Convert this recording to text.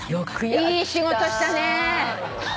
いい仕事したね。